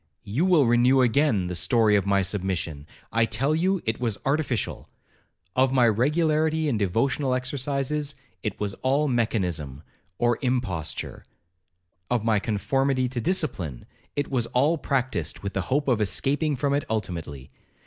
—you will renew again the story of my submission—I tell you it was artificial;—of my regularity in devotional exercises—it was all mechanism or imposture;—of my conformity to discipline—it was all practised with the hope of escaping from it ultimately.